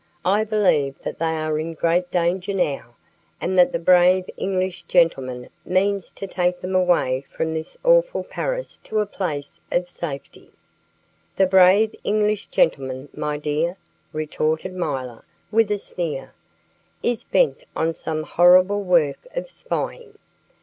I believe that they are in great danger now, and that the brave English gentleman means to take them away from this awful Paris to a place of safety." "The brave English gentleman, my dear," retorted milor, with a sneer, "is bent on some horrible work of spying.